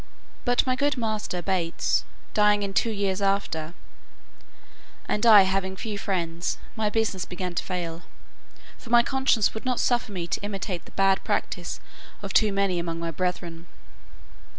But my good master Bates dying in two years after, and I having few friends, my business began to fail; for my conscience would not suffer me to imitate the bad practice of too many among my brethren.